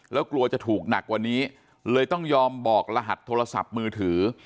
แล้วกลัวจะถูกหนักกว่านี้เลยต้องยอมบอกรหัสโทรศัพท์มือถือ